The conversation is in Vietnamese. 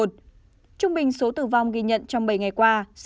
trung bình số tử vong ghi nhận trong bảy ngày qua